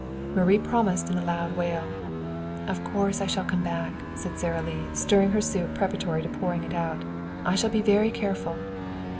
Marie promised in a loud wail. "Of course I shall come back," Sara Lee said, stirring her soup preparatory to pouring it out. "I shall be very careful."